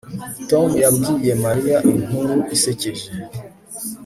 Tom yabwiye Mariya inkuru isekeje